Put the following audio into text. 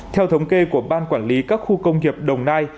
theo thống kê của ban quản lý các khu công nghiệp đồng nai